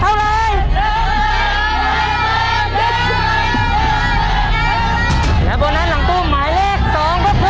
มาดูต่อเลยว่าโบนัสหลังตู้หมายเลข๒เท่าไร